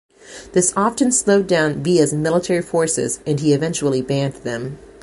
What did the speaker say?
This often slowed down Villa's military forces and he eventually banned them.